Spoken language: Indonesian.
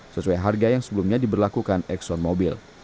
sesuai harga yang sebelumnya diberlakukan exxon mobil